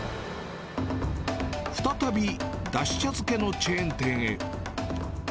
再び、だし茶漬けのチェーン店へ。